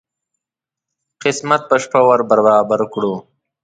قسمت په شپه ور برابر کړو.